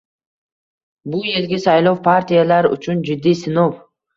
Bu yilgi saylov partiyalar uchun jiddiy sinov